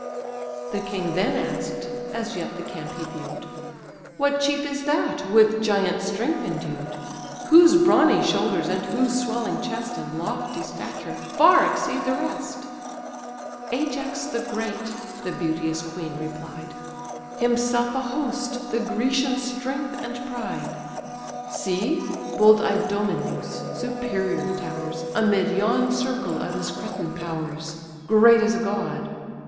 The king then ask'd (as yet the camp he view'd) "What chief is that, with giant strength endued, Whose brawny shoulders, and whose swelling chest, And lofty stature, far exceed the rest? "Ajax the great, (the beauteous queen replied,) Himself a host: the Grecian strength and pride. See! bold Idomeneus superior towers Amid yon circle of his Cretan powers, Great as a god!